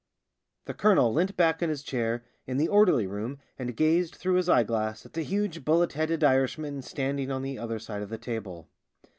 The colonel leant back in his chair in the orderly room and gazed through his eyeglass at the huge bullet headed Irishman standing on the other side of the table.